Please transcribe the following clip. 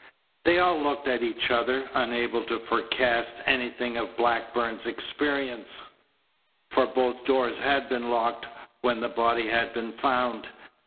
They all looked at each other, unable to forecast anything of Blackburn's experiences; for both doors had been locked when the body had been found.